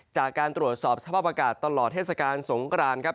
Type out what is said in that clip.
จากการตรวจสอบสภาพอากาศตลอดเทศกาลสงกรานครับ